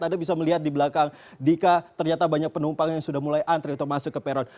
anda bisa melihat di belakang dika ternyata banyak penumpang yang sudah mulai antri untuk masuk ke peron